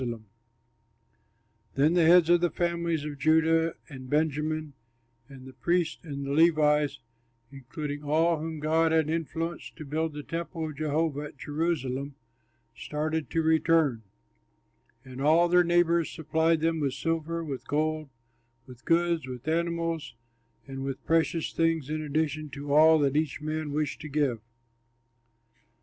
'" [Illustration: © Ernest Normand Esther Denouncing Haman Painted by Ernest Normand] Then the heads of the families of Judah and Benjamin and the priests and the Levites, including all whom God had influenced to build the temple of Jehovah at Jerusalem, started to return. And all their neighbors supplied them with silver, with gold, with goods, with animals, and with precious things in addition to all that each man wished to give.